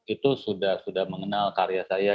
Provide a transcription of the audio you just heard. itu sudah mengenal karya saya